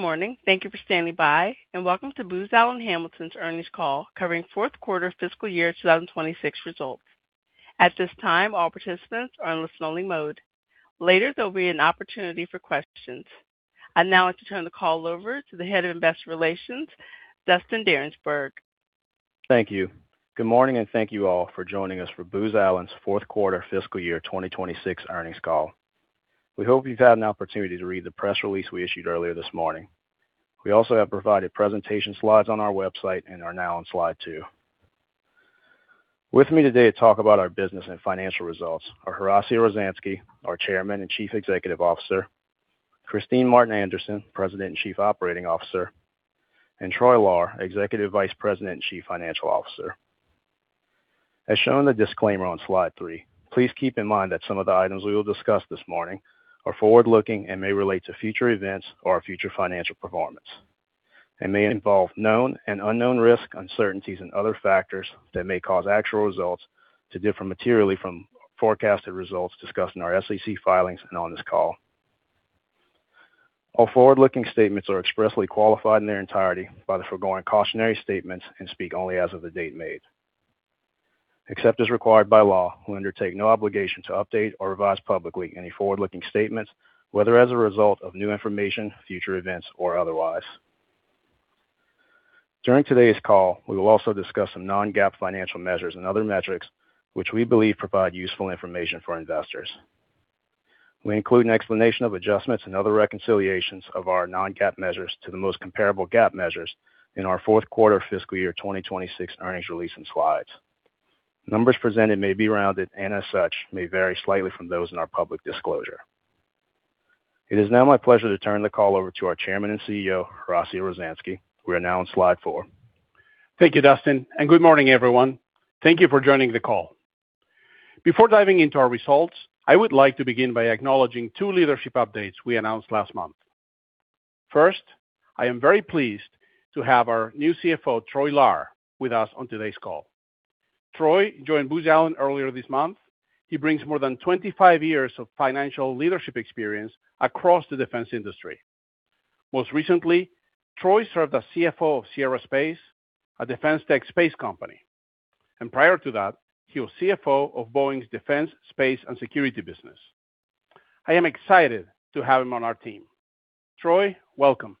Good morning. Thank you for standing by, and welcome to Booz Allen Hamilton's earnings call covering fourth quarter fiscal year 2026 results. At this time, all participants are in listen-only mode. Later, there'll be an opportunity for questions. I'd now like to turn the call over to the Head of Investor Relations, Dustin Darensbourg. Thank you. Good morning, and thank you all for joining us for Booz Allen's fourth quarter fiscal year 2026 earnings call. We hope you've had an opportunity to read the press release we issued earlier this morning. We also have provided presentation slides on our website and are now on slide two. With me today to talk about our business and financial results are Horacio Rozanski, our Chairman and Chief Executive Officer, Kristine Martin Anderson, President and Chief Operating Officer, and Troy Lahr, Executive Vice President and Chief Financial Officer. As shown in the disclaimer on slide three, please keep in mind that some of the items we will discuss this morning are forward-looking and may relate to future events or our future financial performance. They may involve known and unknown risks, uncertainties, and other factors that may cause actual results to differ materially from forecasted results discussed in our SEC filings and on this call. All forward-looking statements are expressly qualified in their entirety by the foregoing cautionary statements and speak only as of the date made. Except as required by law, we undertake no obligation to update or revise publicly any forward-looking statements, whether as a result of new information, future events, or otherwise. During today's call, we will also discuss some non-GAAP financial measures and other metrics which we believe provide useful information for investors. We include an explanation of adjustments and other reconciliations of our non-GAAP measures to the most comparable GAAP measures in our fourth quarter fiscal year 2026 earnings release and slides. Numbers presented may be rounded and as such, may vary slightly from those in our public disclosure. It is now my pleasure to turn the call over to our Chairman and CEO, Horacio Rozanski. We are now on slide four. Thank you, Dustin. Good morning, everyone. Thank you for joining the call. Before diving into our results, I would like to begin by acknowledging two leadership updates we announced last month. First, I am very pleased to have our new CFO, Troy Lahr, with us on today's call. Troy joined Booz Allen earlier this month. He brings more than 25 years of financial leadership experience across the defense industry. Most recently, Troy served as CFO of Sierra Space, a defense tech space company. Prior to that, he was CFO of Boeing's defense, space and security business. I am excited to have him on our team. Troy, welcome.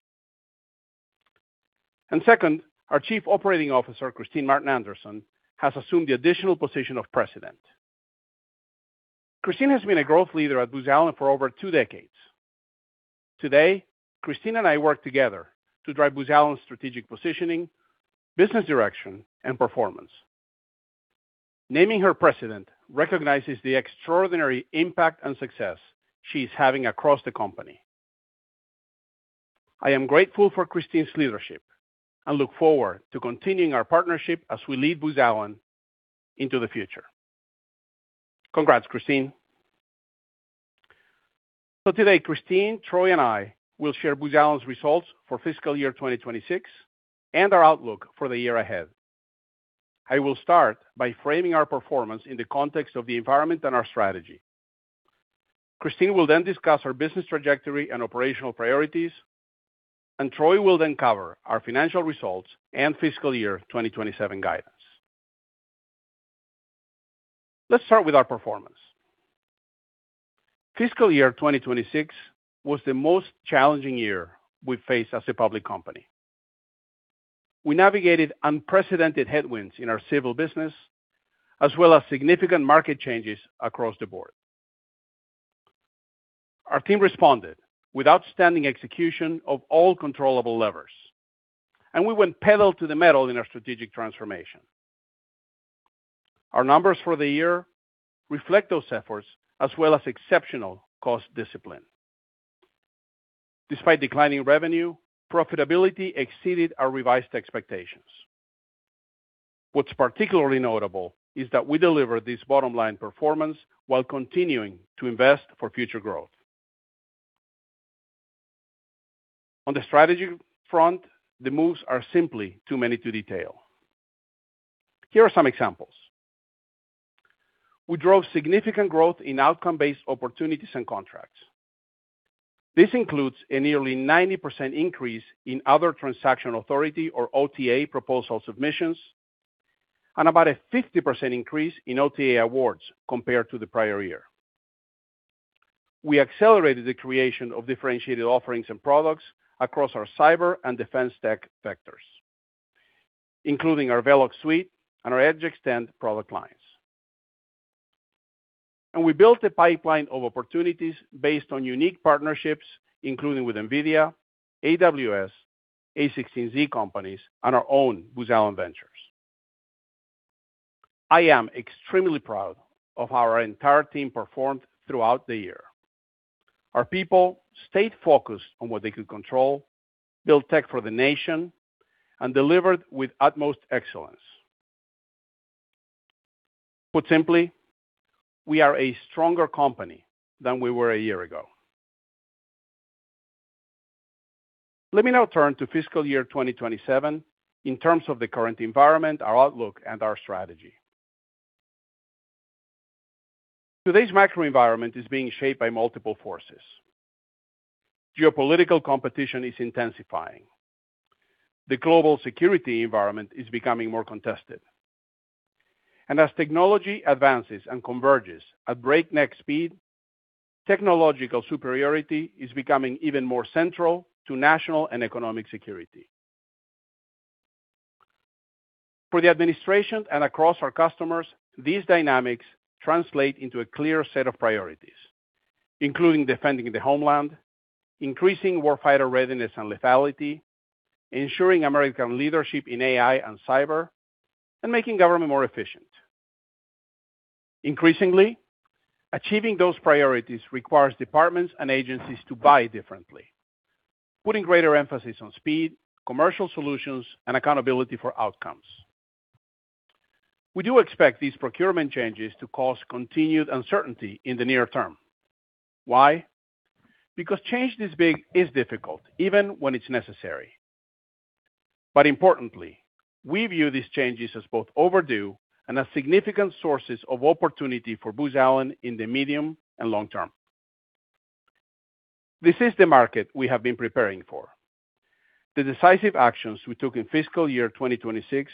Second, our Chief Operating Officer, Kristine Martin Anderson, has assumed the additional position of President. Kristine has been a growth leader at Booz Allen for over two decades. Today, Kristine and I work together to drive Booz Allen's strategic positioning, business direction, and performance. Naming her President recognizes the extraordinary impact and success she's having across the company. I am grateful for Kristine's leadership and look forward to continuing our partnership as we lead Booz Allen into the future. Congrats, Kristine. Today, Kristine, Troy, and I will share Booz Allen's results for fiscal year 2026 and our outlook for the year ahead. I will start by framing our performance in the context of the environment and our strategy. Kristine will then discuss our business trajectory and operational priorities, Troy will then cover our financial results and fiscal year 2027 guidance. Let's start with our performance. Fiscal year 2026 was the most challenging year we've faced as a public company. We navigated unprecedented headwinds in our Civil business, as well as significant market changes across the board. Our team responded with outstanding execution of all controllable levers, and we went pedal to the metal in our strategic transformation. Our numbers for the year reflect those efforts as well as exceptional cost discipline. Despite declining revenue, profitability exceeded our revised expectations. What's particularly notable is that we delivered this bottom-line performance while continuing to invest for future growth. On the strategy front, the moves are simply too many to detail. Here are some examples. We drove significant growth in outcome-based opportunities and contracts. This includes a nearly 90% increase in other transaction authority or OTA proposal submissions and about a 50% increase in OTA awards compared to the prior year. We accelerated the creation of differentiated offerings and products across our cyber and defense tech vectors, including our Vellox suite and our EdgeXtend product lines. We built a pipeline of opportunities based on unique partnerships, including with NVIDIA, AWS, a16z companies, and our own Booz Allen Ventures. I am extremely proud of how our entire team performed throughout the year. Our people stayed focused on what they could control, built tech for the nation, and delivered with utmost excellence. Put simply, we are a stronger company than we were a year ago. Let me now turn to fiscal year 2027 in terms of the current environment, our outlook, and our strategy. Today's macro environment is being shaped by multiple forces. Geopolitical competition is intensifying. The global security environment is becoming more contested. As technology advances and converges at breakneck speed, technological superiority is becoming even more central to national and economic security. For the administration and across our customers, these dynamics translate into a clear set of priorities, including defending the homeland, increasing warfighter readiness and lethality, ensuring American leadership in AI and cyber, and making government more efficient. Increasingly, achieving those priorities requires departments and agencies to buy differently, putting greater emphasis on speed, commercial solutions, and accountability for outcomes. We do expect these procurement changes to cause continued uncertainty in the near term. Why? Because change this big is difficult, even when it's necessary. Importantly, we view these changes as both overdue and as significant sources of opportunity for Booz Allen in the medium and long term. This is the market we have been preparing for. The decisive actions we took in fiscal year 2026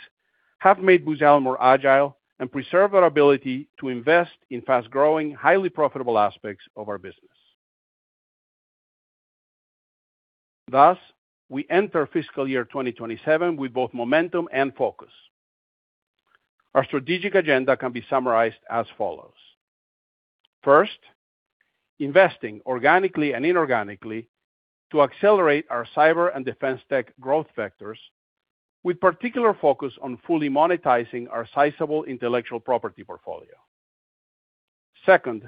have made Booz Allen more agile and preserved our ability to invest in fast-growing, highly profitable aspects of our business. Thus, we enter fiscal year 2027 with both momentum and focus. Our strategic agenda can be summarized as follows. First, investing organically and inorganically to accelerate our cyber and defense tech growth vectors with particular focus on fully monetizing our sizable intellectual property portfolio. Second,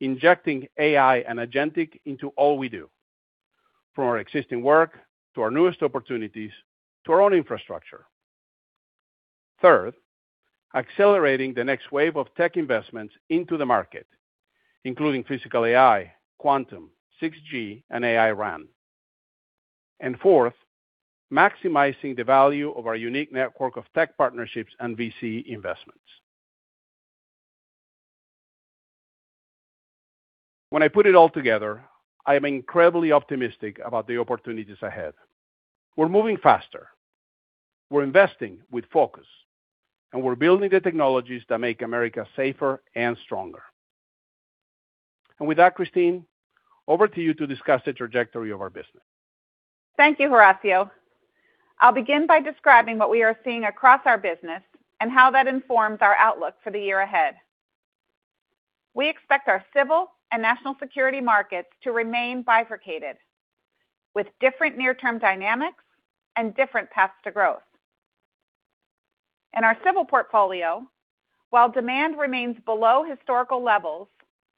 injecting AI and agentic into all we do, from our existing work, to our newest opportunities, to our own infrastructure. Third, accelerating the next wave of tech investments into the market, including physical AI, quantum, 6G, and AI-RAN. Fourth, maximizing the value of our unique network of tech partnerships and VC investments. When I put it all together, I am incredibly optimistic about the opportunities ahead. We're moving faster, we're investing with focus, and we're building the technologies that make America safer and stronger. With that, Kristine, over to you to discuss the trajectory of our business. Thank you, Horacio. I'll begin by describing what we are seeing across our business and how that informs our outlook for the year ahead. We expect our Civil and National Security markets to remain bifurcated with different near-term dynamics and different paths to growth. In our Civil portfolio, while demand remains below historical levels,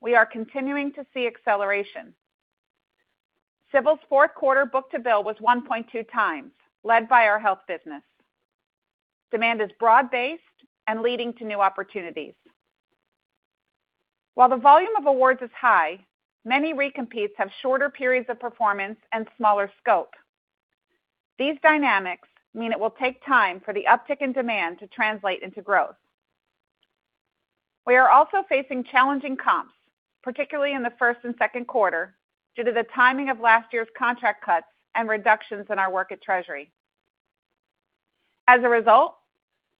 we are continuing to see acceleration. Civil's fourth quarter book-to-bill was 1.2x, led by our health business. Demand is broad-based and leading to new opportunities. While the volume of awards is high, many recompetes have shorter periods of performance and smaller scope. These dynamics mean it will take time for the uptick in demand to translate into growth. We are also facing challenging comps, particularly in the first and second quarter, due to the timing of last year's contract cuts and reductions in our work at Treasury. As a result,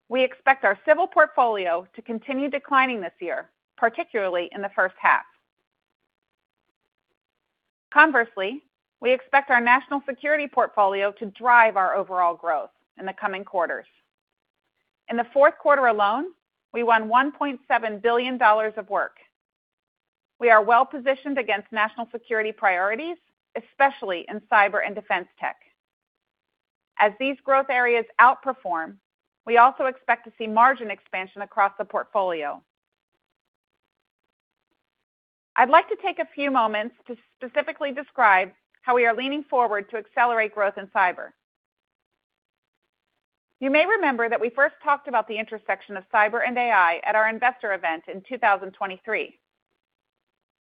we expect our Civil portfolio to continue declining this year, particularly in the first half. Conversely, we expect our National Security portfolio to drive our overall growth in the coming quarters. In the fourth quarter alone, we won $1.7 billion of work. We are well-positioned against national security priorities, especially in cyber and defense tech. As these growth areas outperform, we also expect to see margin expansion across the portfolio. I'd like to take a few moments to specifically describe how we are leaning forward to accelerate growth in cyber. You may remember that we first talked about the intersection of cyber and AI at our investor event in 2023.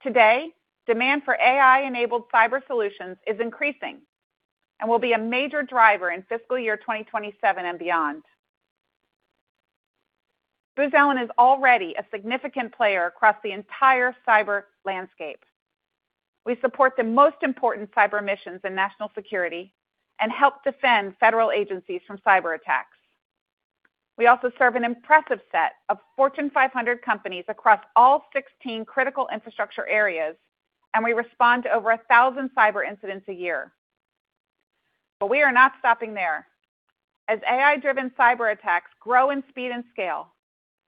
Today, demand for AI-enabled cyber solutions is increasing and will be a major driver in fiscal year 2027 and beyond. Booz Allen is already a significant player across the entire cyber landscape. We support the most important cyber missions in national security and help defend federal agencies from cyberattacks. We also serve an impressive set of Fortune 500 companies across all 16 critical infrastructure areas, and we respond to over 1,000 cyber incidents a year. We are not stopping there. As AI-driven cyberattacks grow in speed and scale,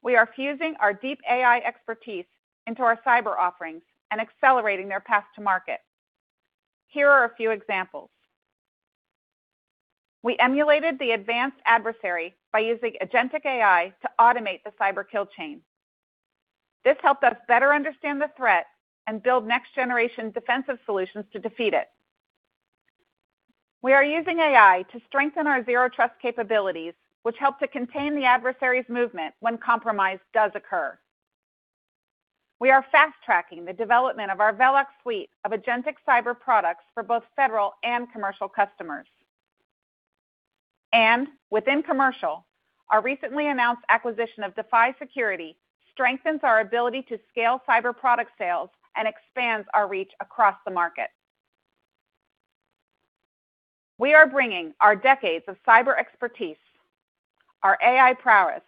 we are fusing our deep AI expertise into our cyber offerings and accelerating their path to market. Here are a few examples. We emulated the advanced adversary by using agentic AI to automate the cyber kill chain. This helped us better understand the threat and build next-generation defensive solutions to defeat it. We are using AI to strengthen our zero trust capabilities, which help to contain the adversary's movement when compromise does occur. We are fast-tracking the development of our Vellox suite of agentic cyber products for both federal and commercial customers. Within commercial, our recently announced acquisition of Defy Security strengthens our ability to scale cyber product sales and expands our reach across the market. We are bringing our decades of cyber expertise, our AI prowess,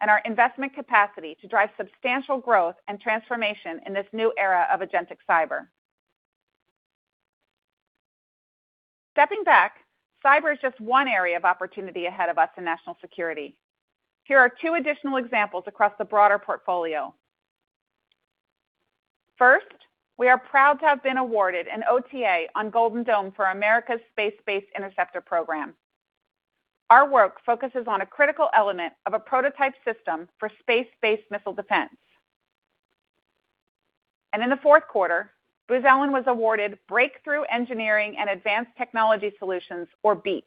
and our investment capacity to drive substantial growth and transformation in this new era of agentic cyber. Stepping back, cyber is just one area of opportunity ahead of us in national security. Here are two additional examples across the broader portfolio. First, we are proud to have been awarded an OTA on Golden Dome for America's Space-Based Interceptor program. Our work focuses on a critical element of a prototype system for space-based missile defense. In the fourth quarter, Booz Allen was awarded Breakthrough Engineering and Advanced Technology Solutions, or BEATS.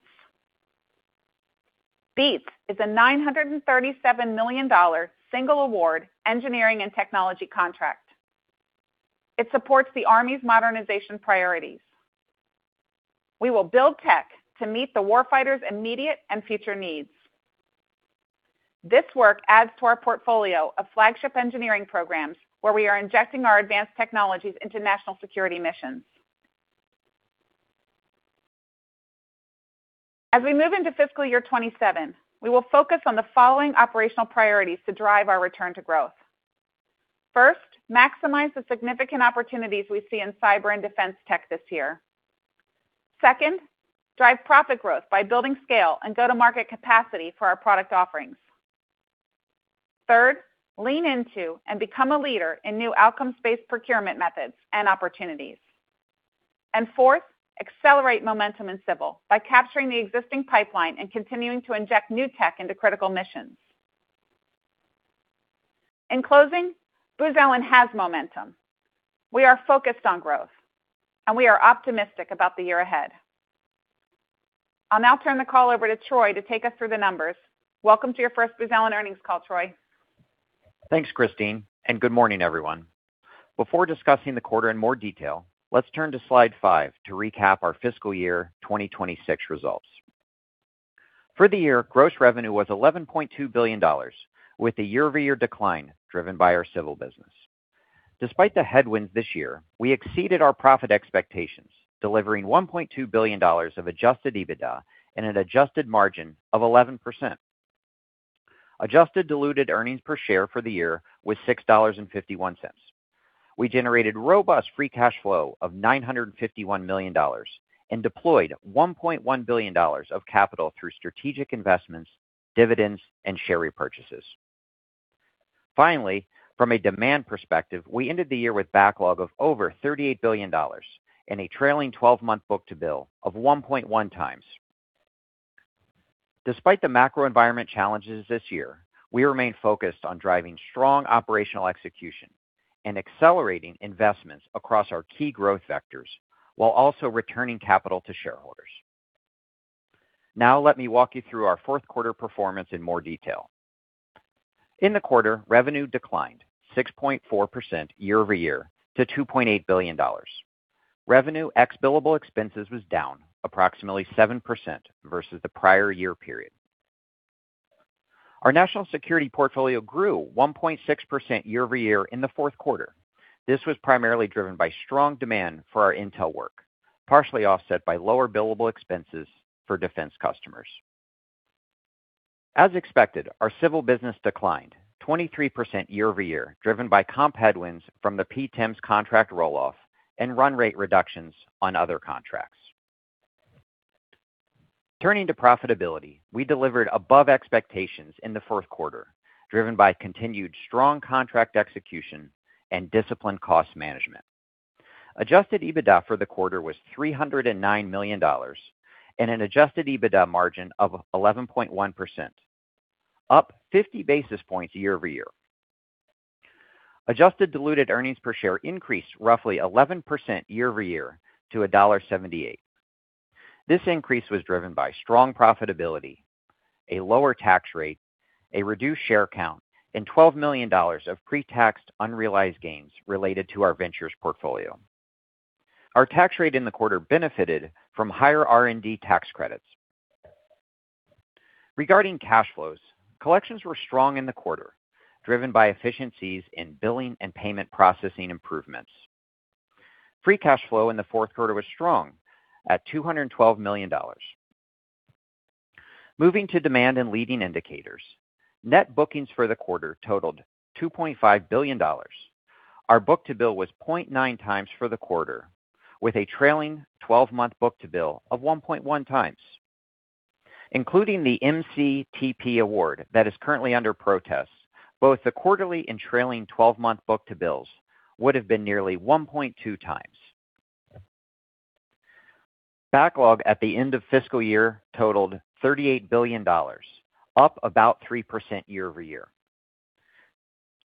BEATS is a $937 million single award engineering and technology contract. It supports the Army's modernization priorities. We will build tech to meet the warfighters' immediate and future needs. This work adds to our portfolio of flagship engineering programs, where we are injecting our advanced technologies into national security missions. As we move into fiscal year 2027, we will focus on the following operational priorities to drive our return to growth. First, maximize the significant opportunities we see in cyber and defense tech this year. Second, drive profit growth by building scale and go-to-market capacity for our product offerings. Third, lean into and become a leader in new outcomes-based procurement methods and opportunities. Fourth, accelerate momentum in Civil by capturing the existing pipeline and continuing to inject new tech into critical missions. In closing, Booz Allen has momentum. We are focused on growth, and we are optimistic about the year ahead. I'll now turn the call over to Troy to take us through the numbers. Welcome to your first Booz Allen earnings call, Troy. Thanks, Kristine, and good morning, everyone. Before discussing the quarter in more detail, let's turn to slide five to recap our fiscal year 2026 results. For the year, gross revenue was $11.2 billion, with a year-over-year decline driven by our Civil business. Despite the headwinds this year, we exceeded our profit expectations, delivering $1.2 billion of adjusted EBITDA and an adjusted margin of 11%. Adjusted diluted earnings per share for the year was $6.51. We generated robust free cash flow of $951 million and deployed $1.1 billion of capital through strategic investments, dividends, and share repurchases. From a demand perspective, we ended the year with backlog of over $38 billion and a trailing 12-month book-to-bill of 1.1x. Despite the macro environment challenges this year, we remain focused on driving strong operational execution and accelerating investments across our key growth vectors while also returning capital to shareholders. Now let me walk you through our fourth quarter performance in more detail. In the quarter, revenue declined 6.4% year-over-year to $2.8 billion. Revenue ex billable expenses was down approximately 7% versus the prior year period. Our National Security portfolio grew 1.6% year-over-year in the fourth quarter. This was primarily driven by strong demand for our intel work, partially offset by lower billable expenses for defense customers. As expected, our Civil business declined 23% year-over-year, driven by comp headwinds from the PTEMS contract roll-off and run rate reductions on other contracts. Turning to profitability, we delivered above expectations in the fourth quarter, driven by continued strong contract execution and disciplined cost management. Adjusted EBITDA for the quarter was $309 million and an adjusted EBITDA margin of 11.1%, up 50 basis points year-over-year. Adjusted diluted earnings per share increased roughly 11% year-over-year to $1.78. This increase was driven by strong profitability, a lower tax rate, a reduced share count, and $12 million of pre-tax unrealized gains related to our ventures portfolio. Our tax rate in the quarter benefited from higher R&D tax credits. Regarding cash flows, collections were strong in the quarter, driven by efficiencies in billing and payment processing improvements. Free cash flow in the fourth quarter was strong at $212 million. Moving to demand and leading indicators, net bookings for the quarter totaled $2.5 billion. Our book-to-bill was 0.9x for the quarter, with a trailing 12-month book-to-bill of 1.1x. Including the MCTP award that is currently under protest, both the quarterly and trailing 12-month book-to-bills would have been nearly 1.2x. Backlog at the end of fiscal year totaled $38 billion, up about 3% year-over-year.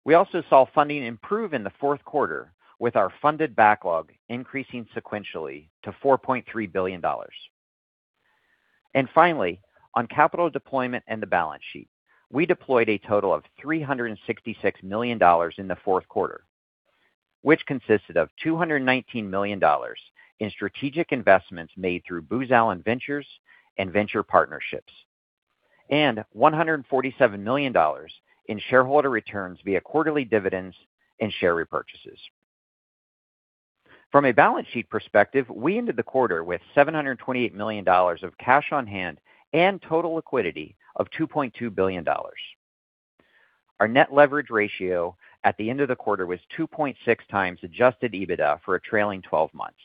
We also saw funding improve in the fourth quarter, with our funded backlog increasing sequentially to $4.3 billion. Finally, on capital deployment and the balance sheet, we deployed a total of $366 million in the fourth quarter. Which consisted of $219 million in strategic investments made through Booz Allen Ventures and venture partnerships, and $147 million in shareholder returns via quarterly dividends and share repurchases. From a balance sheet perspective, we ended the quarter with $728 million of cash on hand and total liquidity of $2.2 billion. Our net leverage ratio at the end of the quarter was 2.6x adjusted EBITDA for a trailing 12 months.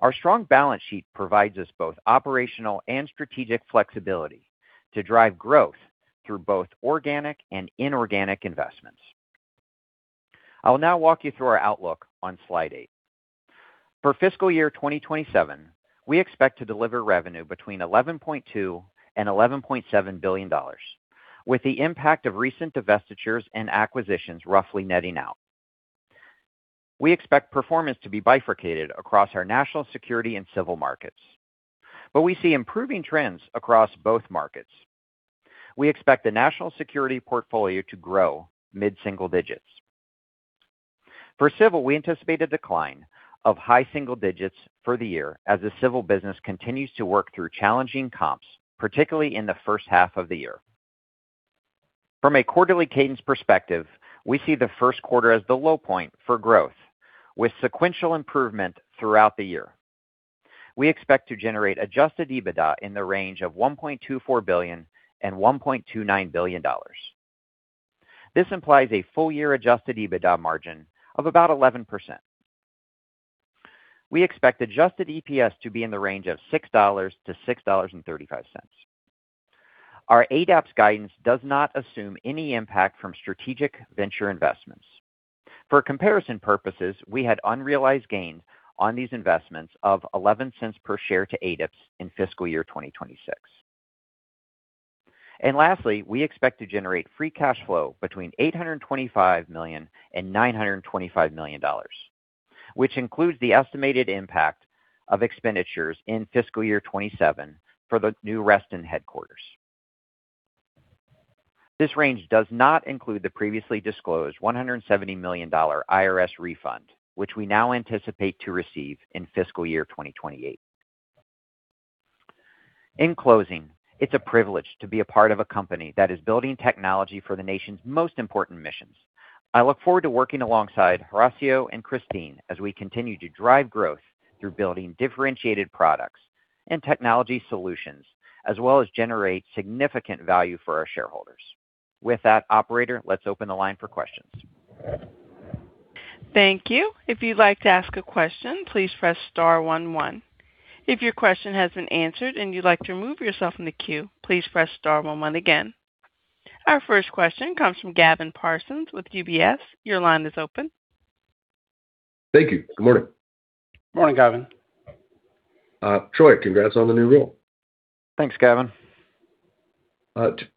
Our strong balance sheet provides us both operational and strategic flexibility to drive growth through both organic and inorganic investments. I will now walk you through our outlook on slide eight. For fiscal year 2027, we expect to deliver revenue between $11.2 billion and $11.7 billion, with the impact of recent divestitures and acquisitions roughly netting out. We expect performance to be bifurcated across our national security and Civil markets, but we see improving trends across both markets. We expect the National Security portfolio to grow mid-single-digits. For Civil, we anticipate a decline of high single-digits for the year as the Civil business continues to work through challenging comps, particularly in the first half of the year. From a quarterly cadence perspective, we see the first quarter as the low point for growth, with sequential improvement throughout the year. We expect to generate adjusted EBITDA in the range of $1.24 billion and $1.29 billion. This implies a full year adjusted EBITDA margin of about 11%. We expect adjusted EPS to be in the range of $6-$6.35. Our ADEPS guidance does not assume any impact from strategic venture investments. For comparison purposes, we had unrealized gains on these investments of $0.11 per share to ADEPS in fiscal year 2026. Lastly, we expect to generate free cash flow between $825 million and $925 million, which includes the estimated impact of expenditures in fiscal year 2027 for the new Reston headquarters. This range does not include the previously disclosed $170 million IRS refund, which we now anticipate to receive in fiscal year 2028. In closing, it's a privilege to be a part of a company that is building technology for the nation's most important missions. I look forward to working alongside Horacio and Kristine as we continue to drive growth through building differentiated products and technology solutions, as well as generate significant value for our shareholders. With that, operator, let's open the line for questions. Thank you. If you'd like to ask a question, please press star one one. If your question has been answered and you'd like to remove yourself from the queue, please press star one one again. Our first question comes from Gavin Parsons with UBS. Your line is open. Thank you. Good morning. Morning, Gavin. Troy, congrats on the new role. Thanks, Gavin.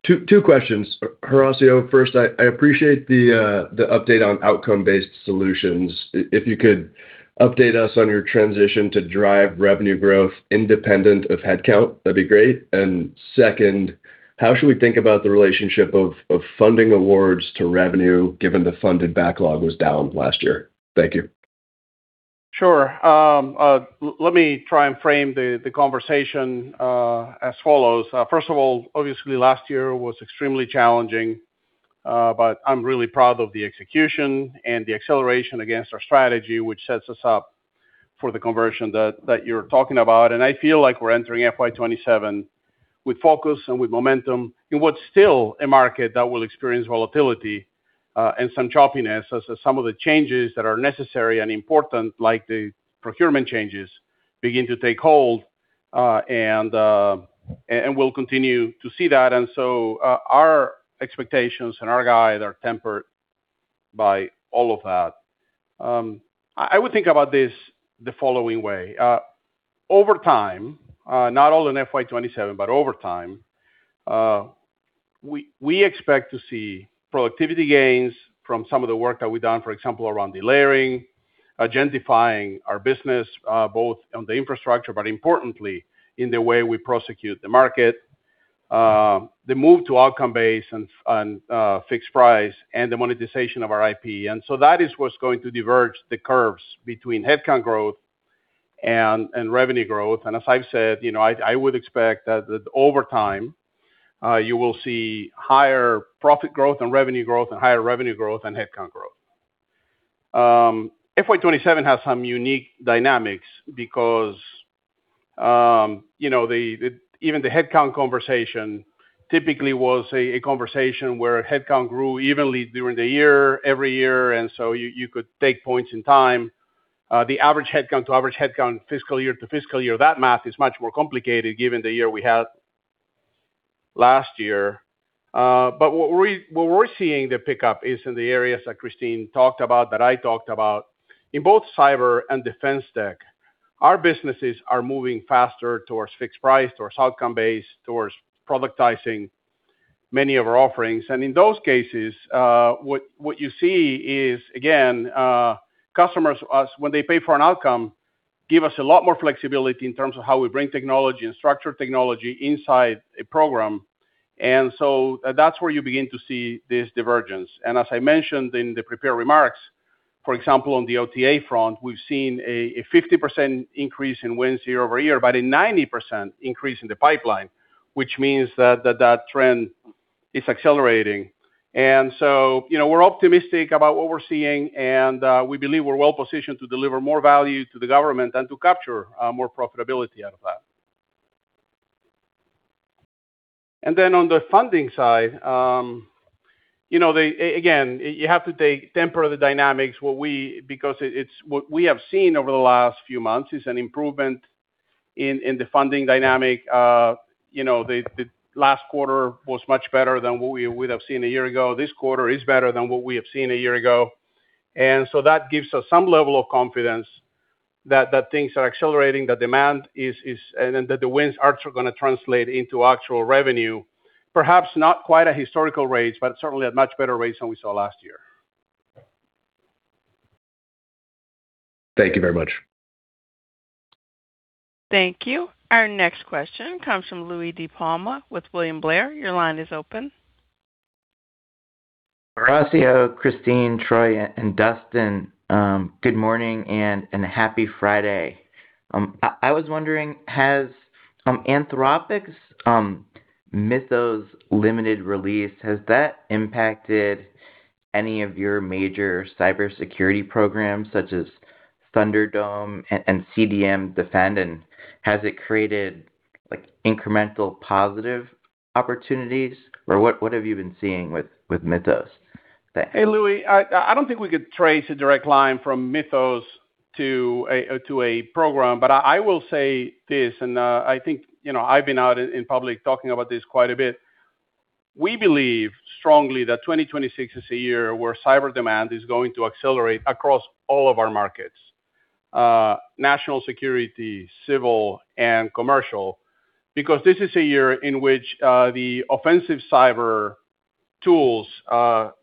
Two questions. Horacio, first, I appreciate the update on outcome-based solutions. If you could update us on your transition to drive revenue growth independent of head count, that'd be great. Second, how should we think about the relationship of funding awards to revenue, given the funded backlog was down last year? Thank you. Sure. Let me try and frame the conversation, as follows. First of all, obviously last year was extremely challenging, but I'm really proud of the execution and the acceleration against our strategy, which sets us up for the conversion that you're talking about. I feel like we're entering FY 2027 with focus and with momentum in what's still a market that will experience volatility, and some choppiness as some of the changes that are necessary and important, like the procurement changes, begin to take hold. We'll continue to see that. Our expectations and our guide are tempered by all of that. I would think about this the following way. Over time, not all in FY 2027, but over time, we expect to see productivity gains from some of the work that we've done, for example, around delayering, agentifying our business, both on the infrastructure, but importantly in the way we prosecute the market, the move to outcome-based and fixed price and the monetization of our IP. That is what's going to diverge the curves between headcount growth and revenue growth. As I've said, I would expect that over time, you will see higher profit growth and revenue growth and higher revenue growth and headcount growth. FY 2027 has some unique dynamics because even the headcount conversation typically was a conversation where headcount grew evenly during the year, every year, and so you could take points in time, the average headcount to average headcount fiscal year to fiscal year. That math is much more complicated given the year we had last year. Where we're seeing the pickup is in the areas that Kristine talked about, that I talked about. In both cyber and defense tech, our businesses are moving faster towards fixed price, towards outcome-based, towards productizing many of our offerings. In those cases, what you see is, again, customers, when they pay for an outcome, give us a lot more flexibility in terms of how we bring technology and structure technology inside a program. That's where you begin to see this divergence. As I mentioned in the prepared remarks, for example, on the OTA front, we've seen a 50% increase in wins year-over-year, but a 90% increase in the pipeline, which means that that trend is accelerating. We're optimistic about what we're seeing, and we believe we're well-positioned to deliver more value to the government and to capture more profitability out of that. On the funding side, again, you have to temper the dynamics, because what we have seen over the last few months is an improvement in the funding dynamic. The last quarter was much better than what we would have seen a year ago. This quarter is better than what we have seen a year ago. That gives us some level of confidence that things are accelerating, and that the wins are going to translate into actual revenue, perhaps not quite at historical rates, but certainly at much better rates than we saw last year. Thank you very much. Thank you. Our next question comes from Louie DiPalma with William Blair. Your line is open. Horacio, Kristine, Troy, and Dustin. Good morning and happy Friday. I was wondering, has Anthropic's Mythos limited release, has that impacted any of your major cybersecurity programs such as Thunderdome and CDM DEFEND? Has it created incremental positive opportunities? Or what have you been seeing with Mythos? Thanks. Hey, Louis, I don't think we could trace a direct line from Mythos to a program. I will say this, and I think I've been out in public talking about this quite a bit. We believe strongly that 2026 is a year where cyber demand is going to accelerate across all of our markets: national security, Civil, and commercial. This is a year in which the offensive cyber tools,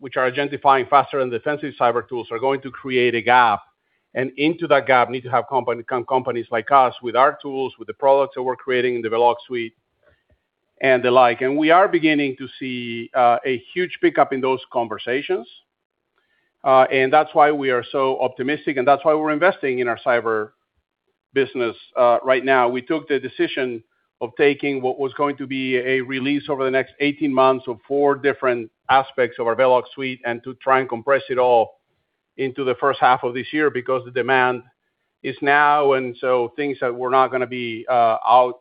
which are agentifying faster than defensive cyber tools, are going to create a gap. Into that gap need to have companies like us with our tools, with the products that we're creating in the Vellox suite and the like. We are beginning to see a huge pickup in those conversations. That's why we are so optimistic, and that's why we're investing in our cyber business right now. We took the decision of taking what was going to be a release over the next 18 months of four different aspects of our Vellox suite and to try and compress it all into the first half of this year because the demand is now. Things that were not going to be out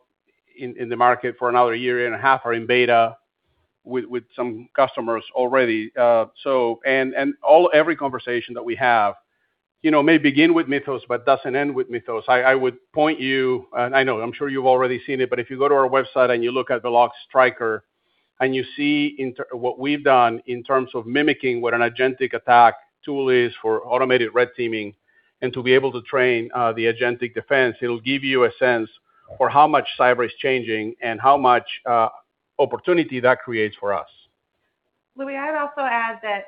in the market for another year and a half are in beta with some customers already. Every conversation that we have may begin with Mythos but doesn't end with Mythos. I would point you, and I know, I'm sure you've already seen it, but if you go to our website and you look at Vellox Striker and you see what we've done in terms of mimicking what an agentic attack tool is for automated red teaming and to be able to train the agentic defense, it'll give you a sense for how much cyber is changing and how much opportunity that creates for us. Louie, I would also add that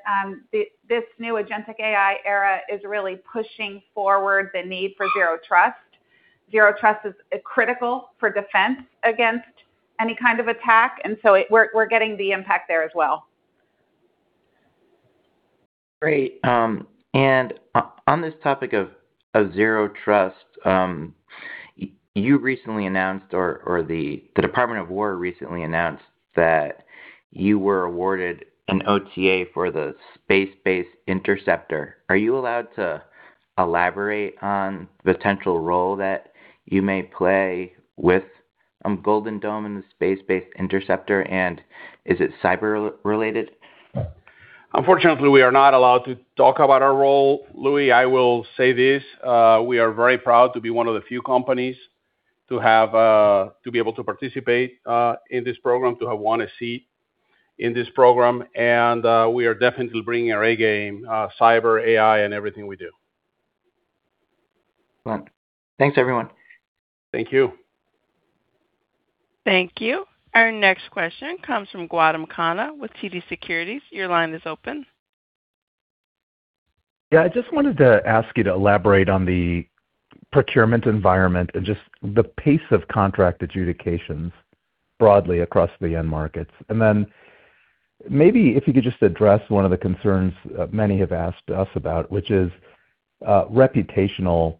this new agentic AI era is really pushing forward the need for zero trust. Zero trust is critical for defense against any kind of attack. We're getting the impact there as well. Great. On this topic of zero trust, you recently announced, or the Department of War recently announced that you were awarded an OTA for the Space-Based Interceptor. Are you allowed to elaborate on the potential role that you may play with Golden Dome and the Space-Based Interceptor, and is it cyber related? Unfortunately, we are not allowed to talk about our role, Louie. I will say this: We are very proud to be one of the few companies to be able to participate in this program, to have won a seat in this program, and we are definitely bringing our A game, cyber, AI, and everything we do. Well, thanks, everyone. Thank you. Thank you. Our next question comes from Gautam Khanna with TD Securities. Your line is open. Yeah, I just wanted to ask you to elaborate on the procurement environment and just the pace of contract adjudications broadly across the end markets. Then maybe if you could just address one of the concerns many have asked us about, which is reputational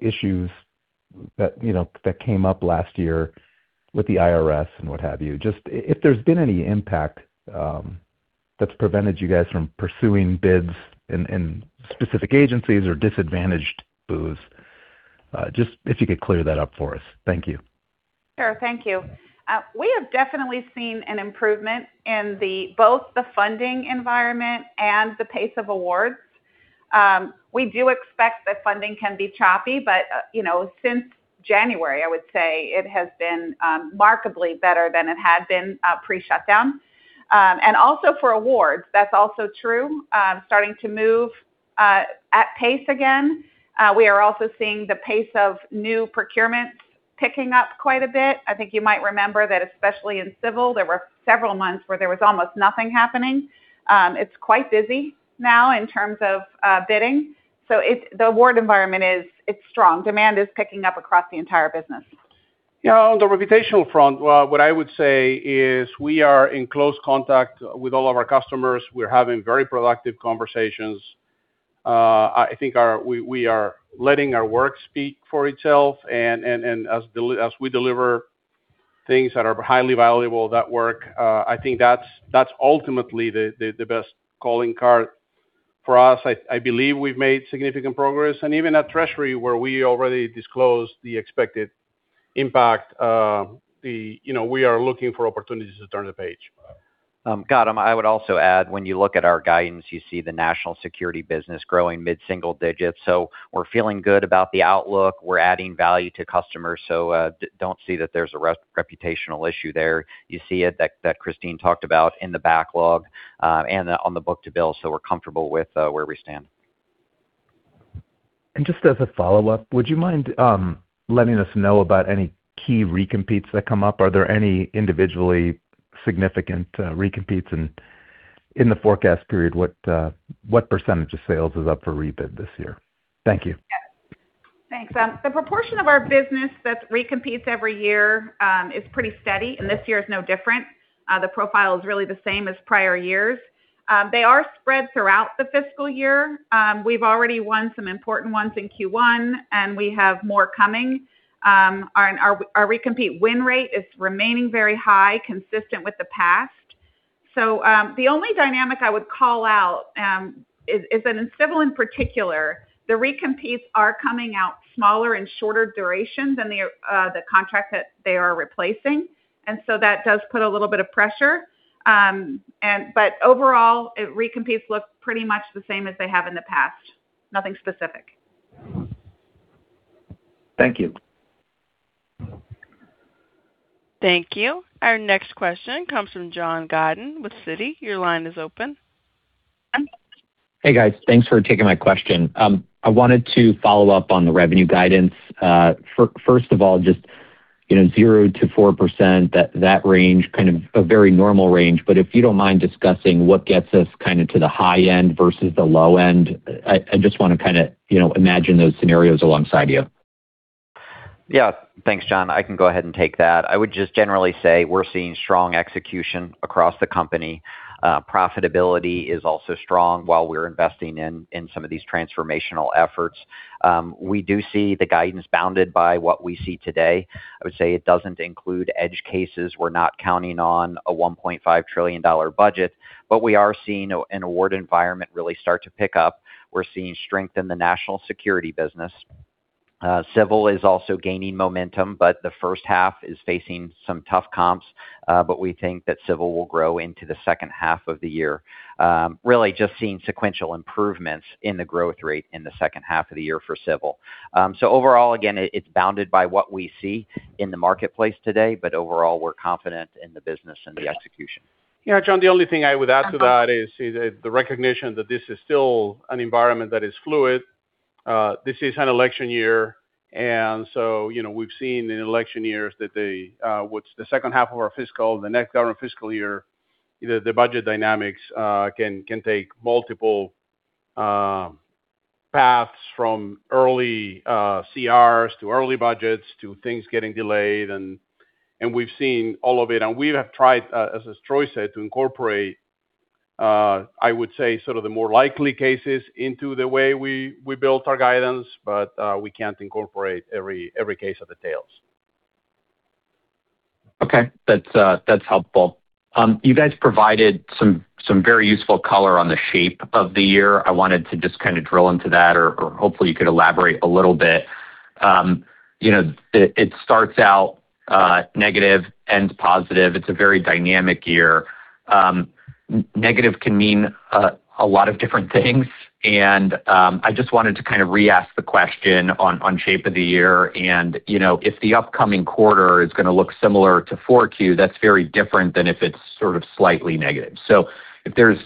issues that came up last year with the IRS and what have you. Just if there's been any impact that's prevented you guys from pursuing bids in specific agencies or disadvantaged Booz. Just if you could clear that up for us. Thank you. Sure. Thank you. We have definitely seen an improvement in both the funding environment and the pace of awards. We do expect that funding can be choppy, but since January, I would say it has been markedly better than it had been pre-shutdown. Also for awards, that's also true. Starting to move at pace again. We are also seeing the pace of new procurements picking up quite a bit. I think you might remember that especially in Civil, there were several months where there was almost nothing happening. It's quite busy now in terms of bidding. The award environment is strong. Demand is picking up across the entire business. On the reputational front, what I would say is we are in close contact with all of our customers. We're having very productive conversations. I think we are letting our work speak for itself, and as we deliver things that are highly valuable, that work, I think that's ultimately the best calling card for us. I believe we've made significant progress. Even at Treasury, where we already disclosed the expected impact, we are looking for opportunities to turn the page. Gautam, I would also add, when you look at our guidance, you see the national security business growing mid-single-digits. We're feeling good about the outlook. We're adding value to customers, don't see that there's a reputational issue there. You see it, that Kristine talked about, in the backlog, and on the book to bill, we're comfortable with where we stand. Just as a follow-up, would you mind letting us know about any key recompetes that come up? Are there any individually significant recompetes in the forecast period? What percentage of sales is up for rebid this year? Thank you. Thanks. The proportion of our business that recompetes every year is pretty steady, and this year is no different. The profile is really the same as prior years. They are spread throughout the fiscal year. We've already won some important ones in Q1, and we have more coming. Our recompete win rate is remaining very high, consistent with the past. The only dynamic I would call out is that in Civil in particular, the recompetes are coming out smaller and shorter duration than the contract that they are replacing. That does put a little bit of pressure. Overall, recompetes look pretty much the same as they have in the past. Nothing specific. Thank you. Thank you. Our next question comes from John Godyn with Citi. Your line is open. Hey, guys. Thanks for taking my question. I wanted to follow up on the revenue guidance. First of all, just 0%-4%, that range, kind of a very normal range. If you don't mind discussing what gets us to the high end versus the low end. I just want to imagine those scenarios alongside you. Yeah. Thanks, John. I can go ahead and take that. I would just generally say we're seeing strong execution across the company. Profitability is also strong while we're investing in some of these transformational efforts. We do see the guidance bounded by what we see today. I would say it doesn't include edge cases. We're not counting on a $1.5 trillion budget, but we are seeing an award environment really start to pick up. We're seeing strength in the National Security business. Civil is also gaining momentum, but the first half is facing some tough comps. We think that Civil will grow into the second half of the year. Really just seeing sequential improvements in the growth rate in the second half of the year for Civil. Overall, again, it's bounded by what we see in the marketplace today, but overall, we're confident in the business and the execution. Yeah, John, the only thing I would add to that is the recognition that this is still an environment that is fluid. This is an election year, we've seen in election years that what's the second half of our fiscal, the next government fiscal year, the budget dynamics can take multiple paths, from early CRs to early budgets to things getting delayed, and we've seen all of it. We have tried, as Troy said, to incorporate, I would say, sort of the more likely cases into the way we built our guidance, but we can't incorporate every case of the tails. Okay. That's helpful. You guys provided some very useful color on the shape of the year. I wanted to just kind of drill into that, or hopefully you could elaborate a little bit. It starts out negative, ends positive. It's a very dynamic year. Negative can mean a lot of different things, I just wanted to kind of re-ask the question on shape of the year. If the upcoming quarter is going to look similar to 4Q, that's very different than if it's sort of slightly negative. If there's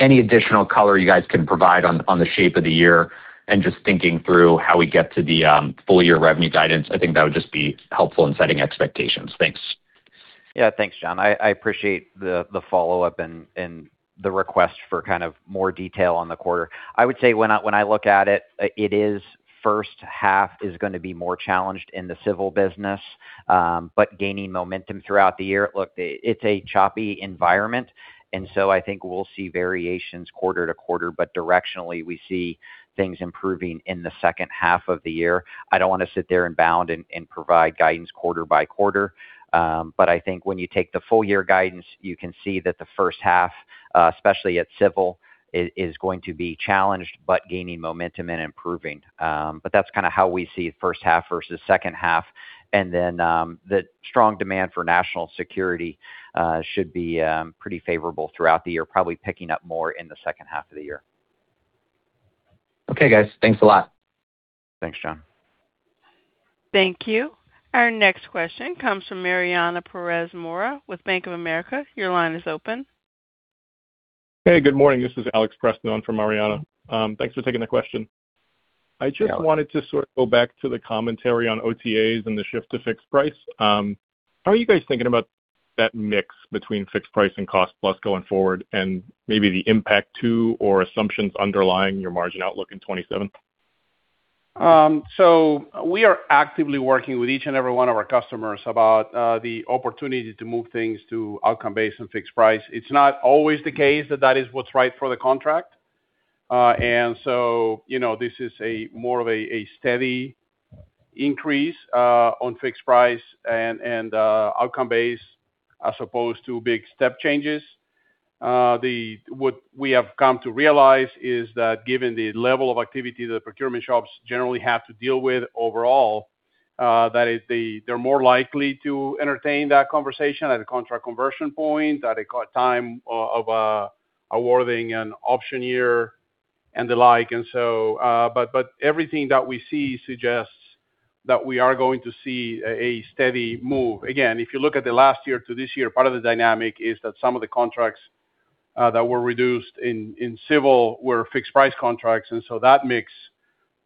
any additional color you guys can provide on the shape of the year and just thinking through how we get to the full-year revenue guidance, I think that would just be helpful in setting expectations. Thanks. Yeah. Thanks, John. I appreciate the follow-up and the request for more detail on the quarter. I would say when I look at it, first half is going to be more challenged in the Civil business, but gaining momentum throughout the year. Look, it's a choppy environment, and so I think we'll see variations quarter-to-quarter, but directionally, we see things improving in the second half of the year. I don't want to sit there and bound and provide guidance quarter-by-quarter. I think when you take the full-year guidance, you can see that the first half, especially at Civil, is going to be challenged, but gaining momentum and improving. That's kind of how we see first half versus second half. The strong demand for national security should be pretty favorable throughout the year, probably picking up more in the second half of the year. Okay, guys. Thanks a lot. Thanks, John. Thank you. Our next question comes from Mariana Pérez Mora with Bank of America. Hey, good morning. This is Alex Preston for Mariana. Thanks for taking the question. Yeah. I just wanted to go back to the commentary on OTAs and the shift to fixed price. How are you guys thinking about that mix between fixed price and cost plus going forward, and maybe the impact to or assumptions underlying your margin outlook in 2027? We are actively working with each and every one of our customers about the opportunity to move things to outcome-based and fixed price. It's not always the case that that is what's right for the contract. This is a more of a steady increase on fixed price and outcome base as opposed to big step changes. What we have come to realize is that given the level of activity the procurement shops generally have to deal with overall, that they're more likely to entertain that conversation at a contract conversion point, at a time of awarding an option year and the like. Everything that we see suggests that we are going to see a steady move. If you look at the last year to this year, part of the dynamic is that some of the contracts that were reduced in Civil were fixed-price contracts. That mix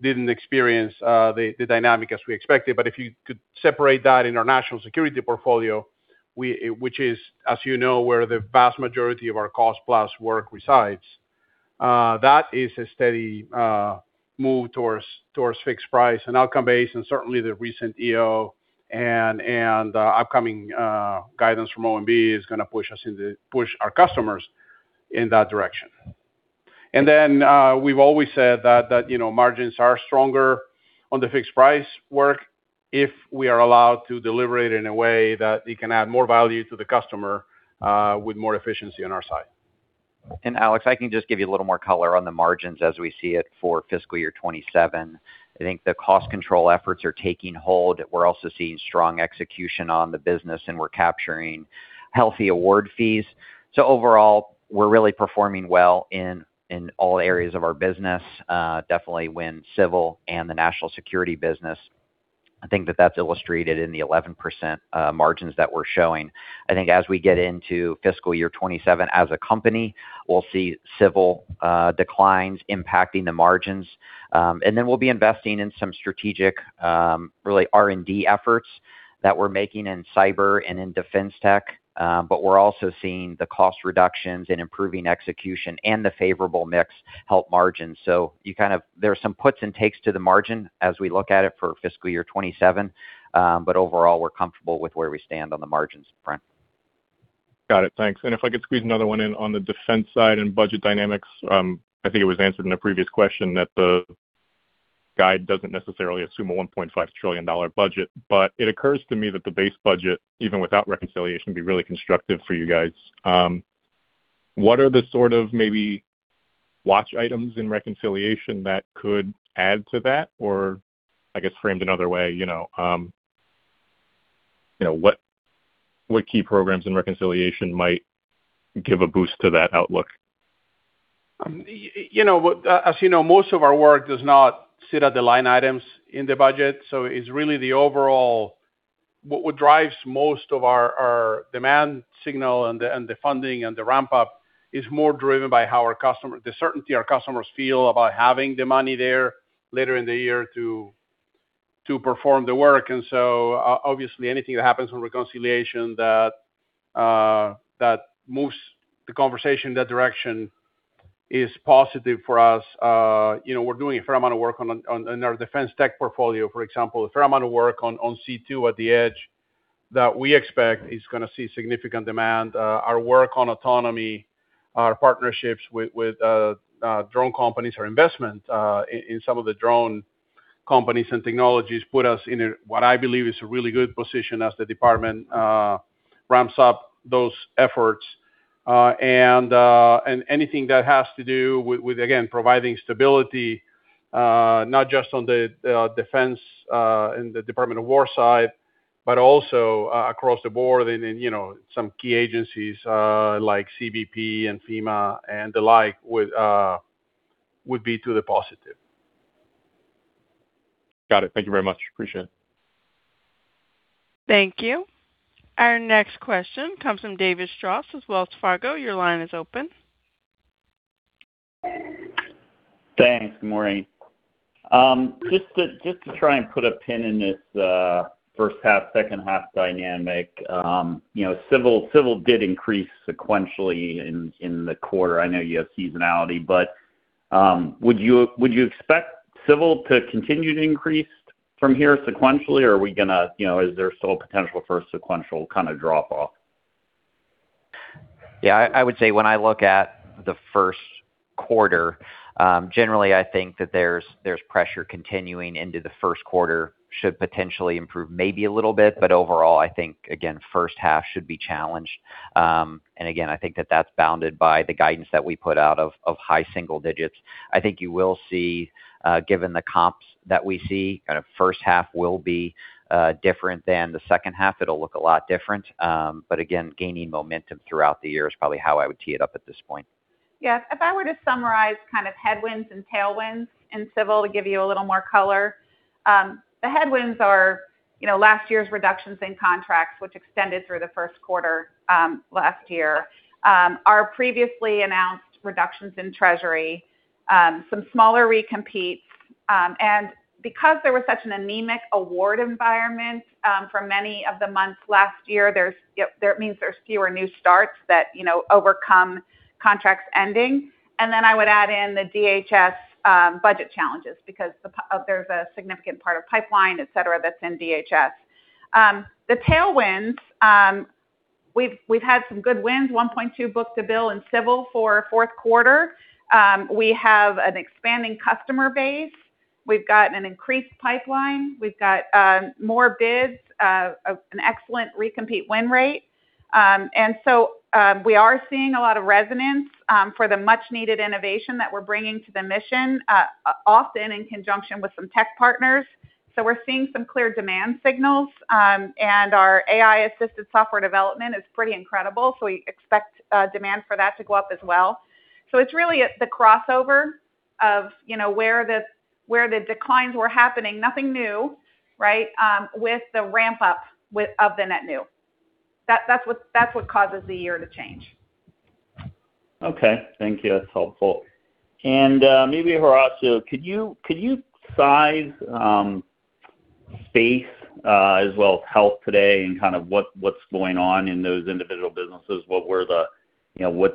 didn't experience the dynamic as we expected. If you could separate that in our National Security portfolio, which is, as you know, where the vast majority of our cost plus work resides, that is a steady move towards fixed price and outcome base, and certainly the recent EO and upcoming guidance from OMB is going to push our customers in that direction. Then, we've always said that margins are stronger on the fixed price work if we are allowed to deliver it in a way that it can add more value to the customer with more efficiency on our side. Alex, I can just give you a little more color on the margins as we see it for fiscal year 2027. I think the cost control efforts are taking hold. We're also seeing strong execution on the business, and we're capturing healthy award fees. Overall, we're really performing well in all areas of our business. Definitely win Civil and the National Security business. I think that's illustrated in the 11% margins that we're showing. I think as we get into fiscal year 2027 as a company, we'll see Civil declines impacting the margins. Then we'll be investing in some strategic, really R&D efforts that we're making in cyber and in defense tech. We're also seeing the cost reductions and improving execution and the favorable mix help margins. There are some puts and takes to the margin as we look at it for fiscal year 2027. Overall, we're comfortable with where we stand on the margins front. Got it. Thanks. If I could squeeze another one in on the defense side and budget dynamics. I think it was answered in a previous question that the guide doesn't necessarily assume a $1.5 trillion budget. It occurs to me that the base budget, even without reconciliation, would be really constructive for you guys. What are the sort of maybe watch items in reconciliation that could add to that? I guess framed another way, what key programs in reconciliation might give a boost to that outlook? As you know, most of our work does not sit at the line items in the budget. What drives most of our demand signal and the funding and the ramp-up is more driven by the certainty our customers feel about having the money there later in the year to perform the work. Obviously anything that happens in reconciliation that moves the conversation in that direction is positive for us. We're doing a fair amount of work in our defense tech portfolio, for example, a fair amount of work on C2 at the edge that we expect is going to see significant demand. Our work on autonomy, our partnerships with drone companies, our investment in some of the drone companies and technologies put us in a what I believe is a really good position as the Department ramps up those efforts. Anything that has to do with, again, providing stability, not just on the defense in the Department of War side, but also across the board in some key agencies, like CBP and FEMA and the like, would be to the positive. Got it. Thank you very much. Appreciate it. Thank you. Our next question comes from David Strauss with Wells Fargo. Thanks. Good morning. Just to try and put a pin in this first half, second half dynamic. Civil did increase sequentially in the quarter. I know you have seasonality, but would you expect Civil to continue to increase from here sequentially or is there still a potential for a sequential drop-off? Yeah. I would say when I look at the first quarter, generally, I think that there's pressure continuing into the first quarter should potentially improve maybe a little bit. Overall, I think again first half should be challenged. Again, I think that that's bounded by the guidance that we put out of high single-digits. I think you will see, given the comps that we see, first half will be different than the second half. It'll look a lot different. Again, gaining momentum throughout the year is probably how I would tee it up at this point. Yes. If I were to summarize headwinds and tailwinds in Civil to give you a little more color. The headwinds are last year's reductions in contracts, which extended through the first quarter last year. Our previously announced reductions in Treasury, some smaller recompetes, and because there was such an anemic award environment for many of the months last year, it means there's fewer new starts that overcome contracts ending. Then I would add in the DHS budget challenges because there's a significant part of pipeline, et cetera, that's in DHS. The tailwinds, we've had some good wins, 1.2 book-to-bill in Civil for fourth quarter. We have an expanding customer base. We've got an increased pipeline. We've got more bids, an excellent recompete win rate. So, we are seeing a lot of resonance for the much-needed innovation that we're bringing to the mission, often in conjunction with some tech partners. We're seeing some clear demand signals. Our AI-assisted software development is pretty incredible, so we expect demand for that to go up as well. It's really the crossover of where the declines were happening, nothing new, with the ramp-up of the net new. That's what causes the year to change. Okay. Thank you. That's helpful. Maybe, Horacio, could you size space as well as health today and what's going on in those individual businesses? What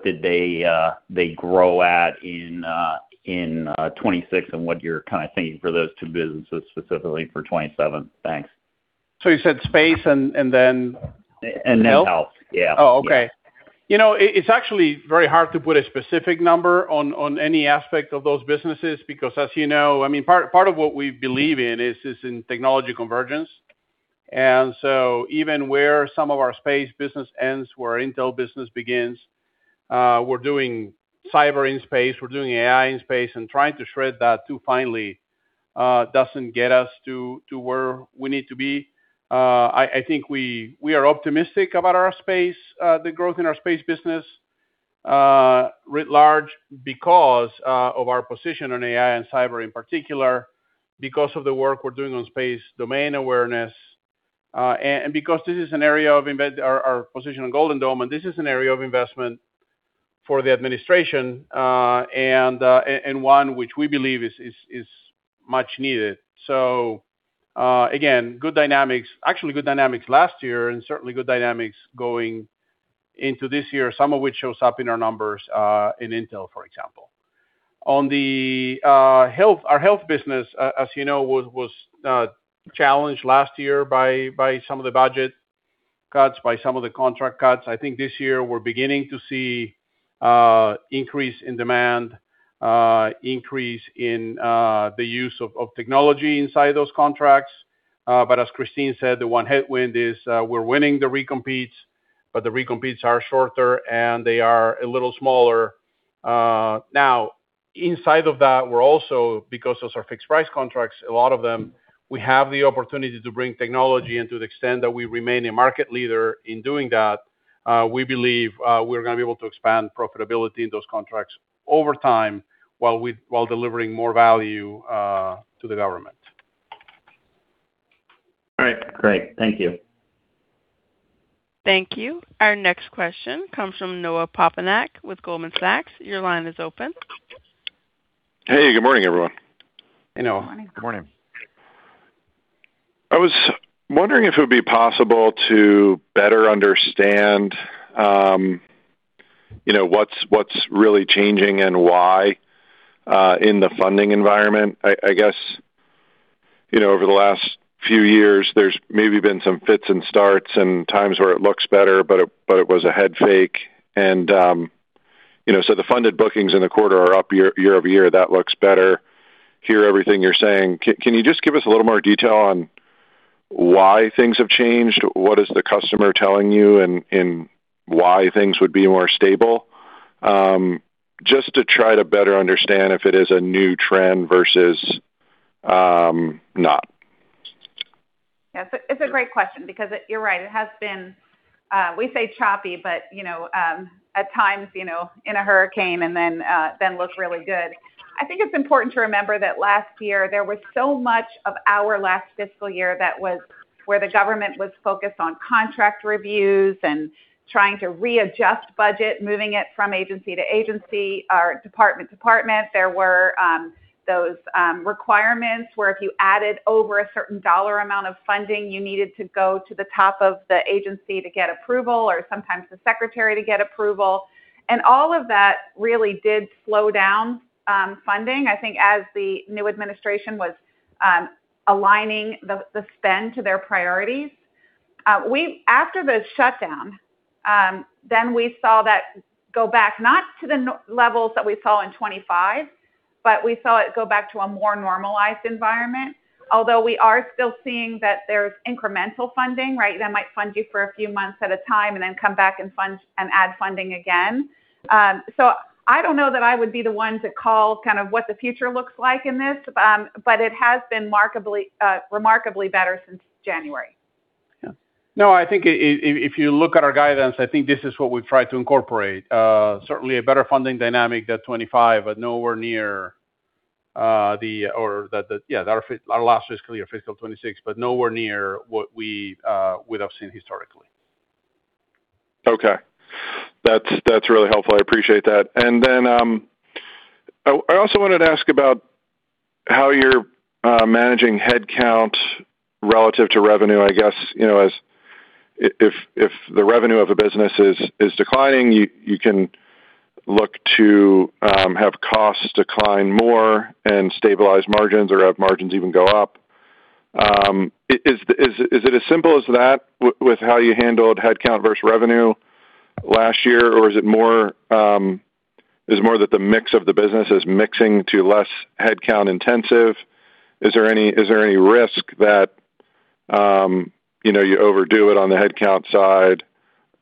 did they grow at in 2026, and what you're thinking for those two businesses specifically for 2027? Thanks. You said space and then intel? Then health. Yeah. Oh, okay. It's actually very hard to put a specific number on any aspect of those businesses because as you know, part of what we believe in is in technology convergence. Even where some of our space business ends, where our intel business begins, we're doing cyber in space, we're doing AI in space, and trying to shred that too finely doesn't get us to where we need to be. I think we are optimistic about the growth in our space business writ large because of our position on AI and cyber in particular, because of the work we're doing on space domain awareness, because our position on Golden Dome, this is an area of investment for the administration, one which we believe is much needed. Again, good dynamics. Actually, good dynamics last year and certainly good dynamics going into this year, some of which shows up in our numbers in intel, for example. On our health business, as you know, was challenged last year by some of the budget cuts, by some of the contract cuts. I think this year we're beginning to see increase in demand, increase in the use of technology inside those contracts. As Kristine said, the one headwind is we're winning the recompetes, but the recompetes are shorter, and they are a little smaller. Now, inside of that, we're also, because those are fixed-price contracts, a lot of them, we have the opportunity to bring technology. To the extent that we remain a market leader in doing that, we believe we're going to be able to expand profitability in those contracts over time while delivering more value to the government. All right. Great. Thank you. Thank you. Our next question comes from Noah Poponak with Goldman Sachs. Your line is open. Hey, good morning, everyone. Hey, Noah. Good morning. I was wondering if it would be possible to better understand what's really changing and why in the funding environment. I guess over the last few years, there's maybe been some fits and starts and times where it looks better, but it was a head fake. The funded bookings in the quarter are up year-over-year. That looks better. Hear everything you're saying. Can you just give us a little more detail on why things have changed? What is the customer telling you, and why things would be more stable? Just to try to better understand if it is a new trend versus not. Yeah. It's a great question because you're right, it has been, we say choppy, but at times in a hurricane, and then looks really good. I think it's important to remember that last year, there was so much of our last fiscal year that was where the government was focused on contract reviews and trying to readjust budget, moving it from agency to agency or department to department. There were those requirements where if you added over a certain dollar amount of funding, you needed to go to the top of the agency to get approval, or sometimes the secretary to get approval. All of that really did slow down funding, I think as the new administration was aligning the spend to their priorities. After the shutdown, we saw that go back, not to the levels that we saw in 2025, but we saw it go back to a more normalized environment. Although we are still seeing that there's incremental funding. They might fund you for a few months at a time and then come back and add funding again. I don't know that I would be the one to call what the future looks like in this, but it has been remarkably better since January. No, I think if you look at our guidance, I think this is what we've tried to incorporate. Certainly a better funding dynamic than FY 2025, but nowhere near our last fiscal year, FY 2026, but nowhere near what we would've seen historically. Okay. That's really helpful. I appreciate that. I also wanted to ask about how you're managing headcount relative to revenue. I guess, if the revenue of a business is declining, you can look to have costs decline more and stabilize margins or have margins even go up. Is it as simple as that with how you handled headcount versus revenue last year? Is it more that the mix of the business is mixing to less headcount-intensive? Is there any risk that you overdo it on the headcount side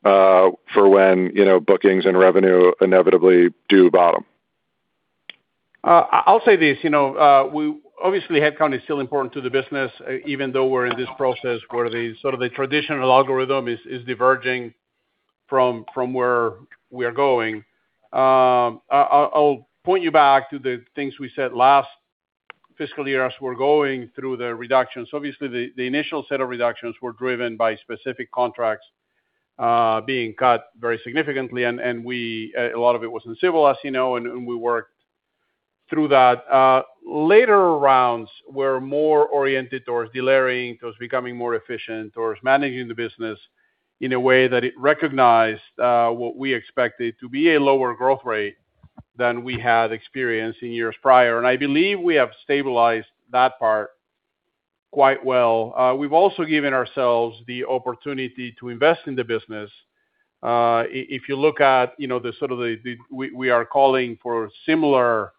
for when bookings and revenue inevitably do bottom? I'll say this. Obviously, headcount is still important to the business, even though we're in this process where the traditional algorithm is diverging from where we are going. I'll point you back to the things we said last fiscal year as we're going through the reductions. Obviously, the initial set of reductions were driven by specific contracts being cut very significantly. A lot of it was in Civil, as you know, and we worked through that. Later rounds were more oriented towards de-layering, towards becoming more efficient, towards managing the business in a way that it recognized what we expected to be a lower growth rate than we had experienced in years prior. I believe we have stabilized that part quite well. We've also given ourselves the opportunity to invest in the business. If you look at the sort of the, we are calling for similar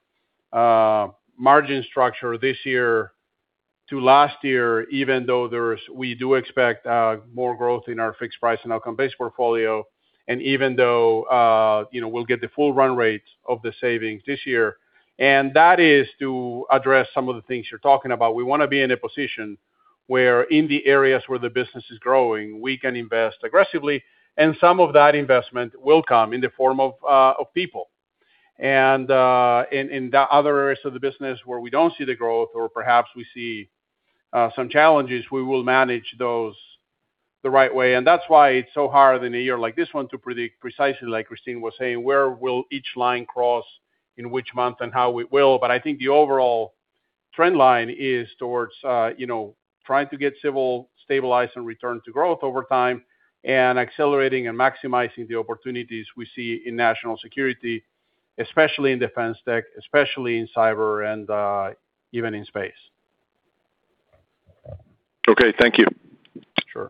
margin structure this year to last year, even though we do expect more growth in our fixed price and outcome-based portfolio, and even though we'll get the full run rate of the savings this year. That is to address some of the things you're talking about. We want to be in a position where in the areas where the business is growing, we can invest aggressively, and some of that investment will come in the form of people. In the other areas of the business where we don't see the growth or perhaps we see some challenges, we will manage those the right way. That's why it's so hard in a year like this one to predict precisely, like Kristine was saying, where will each line cross in which month and how it will. I think the overall trend line is towards trying to get Civil stabilized and return to growth over time and accelerating and maximizing the opportunities we see in national security, especially in defense tech, especially in cyber and even in space. Okay. Thank you. Sure.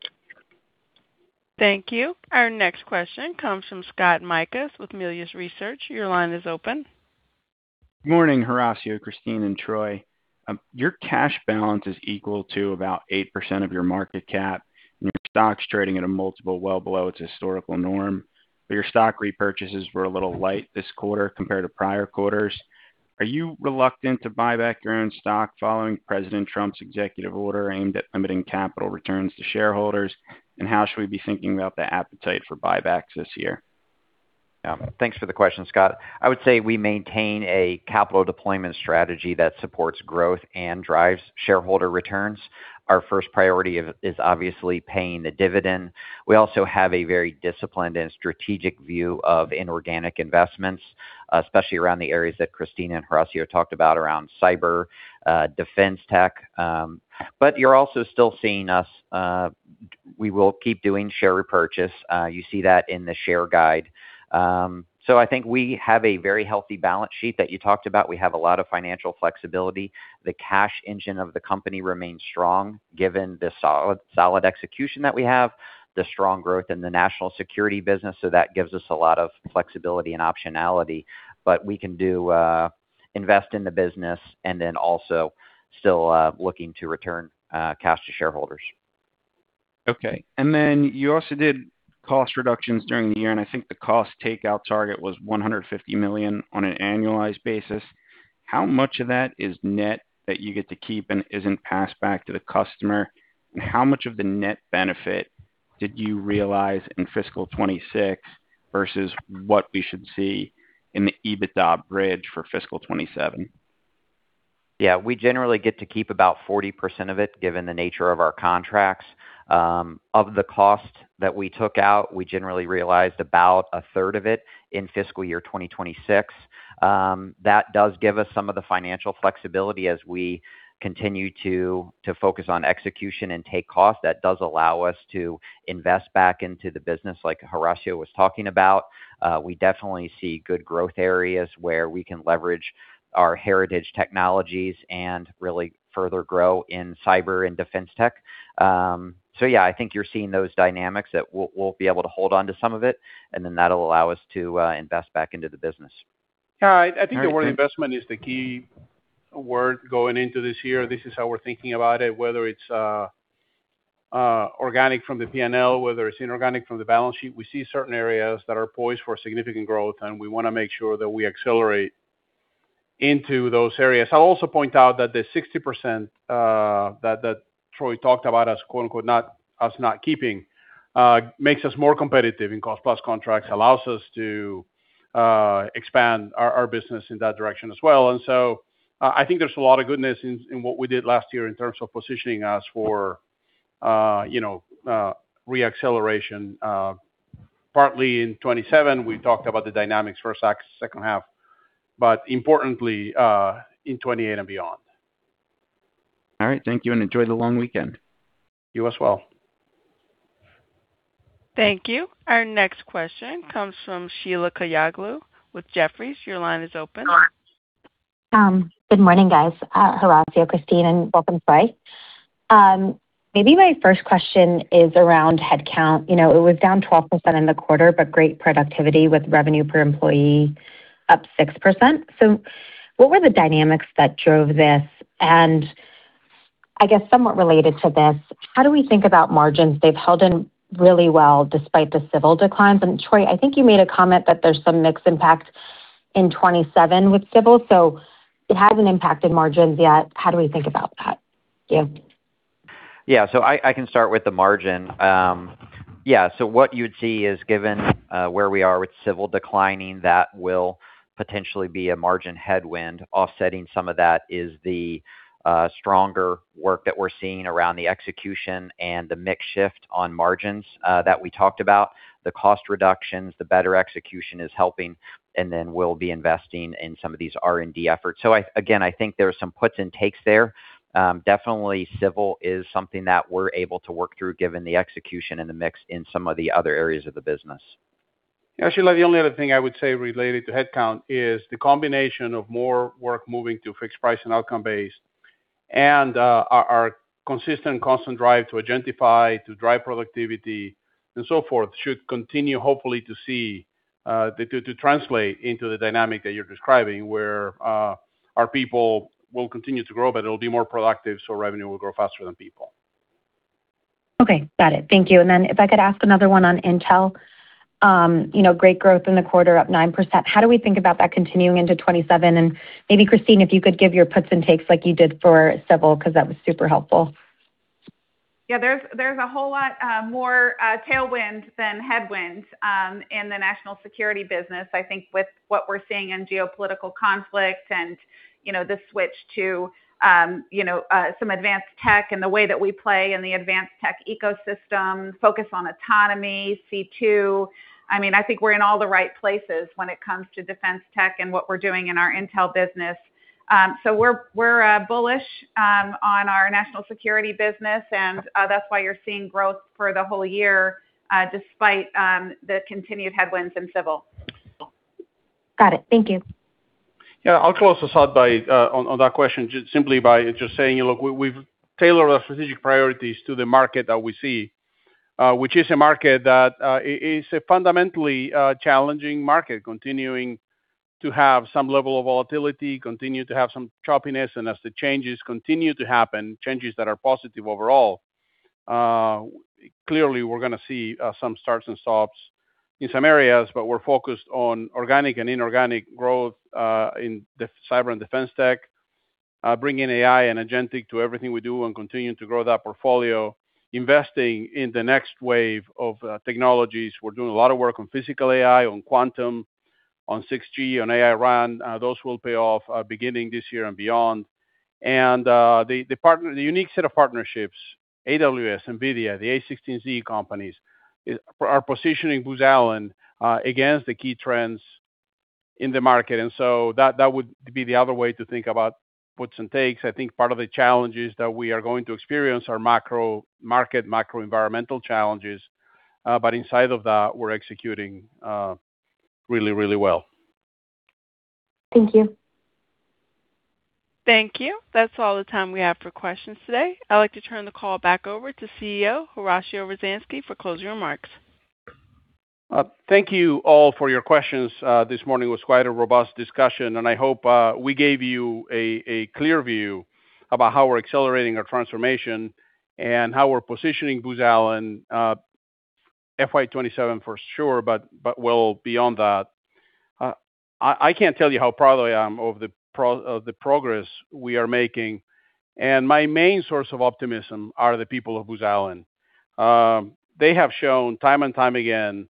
Thank you. Our next question comes from Scott Mikus with Melius Research. Your line is open. Good morning, Horacio, Kristine, and Troy. Your cash balance is equal to about 8% of your market cap, and your stock's trading at a multiple well below its historical norm. Your stock repurchases were a little light this quarter compared to prior quarters. Are you reluctant to buy back your own stock following President Trump's executive order aimed at limiting capital returns to shareholders? How should we be thinking about the appetite for buybacks this year? Thanks for the question, Scott. I would say we maintain a capital deployment strategy that supports growth and drives shareholder returns. Our first priority is obviously paying the dividend. We also have a very disciplined and strategic view of inorganic investments, especially around the areas that Kristine and Horacio talked about around cyber, defense tech. You're also still seeing us, we will keep doing share repurchase. You see that in the share guide. I think we have a very healthy balance sheet that you talked about. We have a lot of financial flexibility. The cash engine of the company remains strong given the solid execution that we have, the strong growth in the national security business. That gives us a lot of flexibility and optionality. We can do invest in the business and then also still looking to return cash to shareholders. Okay. Then you also did cost reductions during the year, and I think the cost takeout target was $150 million on an annualized basis. How much of that is net that you get to keep and isn't passed back to the customer? How much of the net benefit did you realize in fiscal 2026 versus what we should see in the EBITDA bridge for fiscal 2027? Yeah. We generally get to keep about 40% of it, given the nature of our contracts. Of the cost that we took out, we generally realized about a third of it in fiscal year 2026. That does give us some of the financial flexibility as we continue to focus on execution and take cost. That does allow us to invest back into the business like Horacio was talking about. We definitely see good growth areas where we can leverage our heritage technologies and really further grow in cyber and defense tech. Yeah, I think you're seeing those dynamics that we'll be able to hold onto some of it, and then that'll allow us to invest back into the business. Yeah, I think the word investment is the key word going into this year. This is how we're thinking about it, whether it's organic from the P&L, whether it's inorganic from the balance sheet. We see certain areas that are poised for significant growth, and we want to make sure that we accelerate into those areas. I'll also point out that the 60% that Troy talked about us, quote-unquote, "Us not keeping," makes us more competitive in cost-plus contracts, allows us to expand our business in that direction as well. I think there's a lot of goodness in what we did last year in terms of positioning us for re-acceleration. Partly in 2027, we talked about the dynamics for our second half, but importantly, in 2028 and beyond. All right. Thank you, and enjoy the long weekend. You as well. Thank you. Our next question comes from Sheila Kahyaoglu with Jefferies. Your line is open. Good morning, guys. Horacio, Kristine, and welcome, Troy. Maybe my first question is around headcount. It was down 12% in the quarter, but great productivity with revenue per employee up 6%. What were the dynamics that drove this? I guess somewhat related to this, how do we think about margins? They've held in really well despite the Civil declines. Troy, I think you made a comment that there's some mixed impact in 2027 with Civil, so it hasn't impacted margins yet. How do we think about that? Thank you. I can start with the margin. What you would see is given where we are with Civil declining, that will potentially be a margin headwind. Offsetting some of that is the stronger work that we're seeing around the execution and the mix shift on margins that we talked about. The cost reductions, the better execution is helping, and then we'll be investing in some of these R&D efforts. Again, I think there are some puts and takes there. Definitely Civil is something that we're able to work through given the execution and the mix in some of the other areas of the business. Yeah, Sheila, the only other thing I would say related to headcount is the combination of more work moving to fixed price and outcome-based, and our consistent constant drive to agentify, to drive productivity and so forth, should continue, hopefully to translate into the dynamic that you're describing where our people will continue to grow, but it'll be more productive, so revenue will grow faster than people. Okay. Got it. Thank you. If I could ask another one on Intel. Great growth in the quarter, up 9%. How do we think about that continuing into 2027? Maybe Kristine, if you could give your puts and takes like you did for Civil, because that was super helpful. Yeah, there's a whole lot more tailwind than headwind in the national security business, I think with what we're seeing in geopolitical conflict and the switch to some advanced tech and the way that we play in the advanced tech ecosystem, focus on autonomy, C2. I think we're in all the right places when it comes to defense tech and what we're doing in our intel business. We're bullish on our national security business, and that's why you're seeing growth for the whole year despite the continued headwinds in Civil. Got it. Thank you. Yeah. I'll close us out on that question simply by just saying, look, we've tailored our strategic priorities to the market that we see, which is a market that is a fundamentally challenging market, continuing to have some level of volatility, continue to have some choppiness, and as the changes continue to happen, changes that are positive overall. Clearly, we're going to see some starts and stops in some areas, but we're focused on organic and inorganic growth in the cyber and defense tech, bringing AI and agentic to everything we do and continuing to grow that portfolio, investing in the next wave of technologies. We're doing a lot of work on physical AI, on quantum, on 6G, on AI-RAN. Those will pay off beginning this year and beyond. The unique set of partnerships, AWS, NVIDIA, the a16z companies, are positioning Booz Allen against the key trends in the market. That would be the other way to think about puts and takes. I think part of the challenges that we are going to experience are macro market, macro environmental challenges. Inside of that, we're executing really, really well. Thank you. Thank you. That's all the time we have for questions today. I'd like to turn the call back over to CEO, Horacio Rozanski, for closing remarks. Thank you all for your questions. This morning was quite a robust discussion. I hope we gave you a clear view about how we're accelerating our transformation and how we're positioning Booz Allen, FY 2027 for sure, but well beyond that. I can't tell you how proud I am of the progress we are making. My main source of optimism are the people of Booz Allen. They have shown time and time again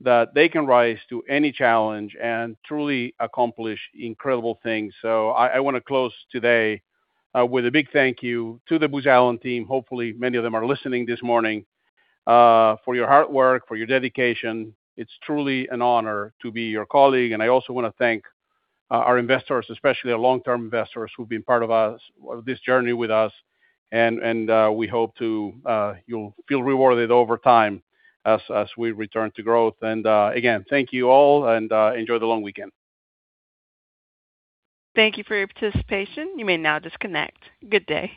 that they can rise to any challenge and truly accomplish incredible things. I want to close today with a big thank you to the Booz Allen team. Hopefully, many of them are listening this morning, for your hard work, for your dedication. It's truly an honor to be your colleague. I also want to thank our investors, especially our long-term investors, who've been part of this journey with us. We hope you'll feel rewarded over time as we return to growth. Again, thank you all, and enjoy the long weekend. Thank you for your participation. You may now disconnect. Good day.